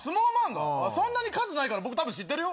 そんなに数ないから、僕たぶん知ってるよ。